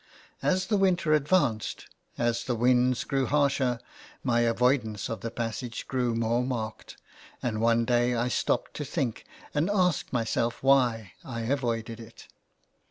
As the winter advanced, as the winds grew harsher, my avoidance of the passage grew more marked, and one day I stopped to think, and ask myself why I avoided it.